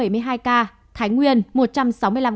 thái nguyên một trăm sáu mươi năm ca